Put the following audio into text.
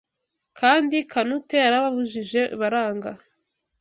Kandi Canute yarababujije baranga